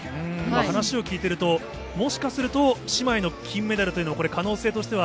話を聞いてると、もしかすると姉妹の金メダルというのもこれ、可能性としては。